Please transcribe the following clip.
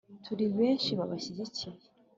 turi benshi babashyigikiye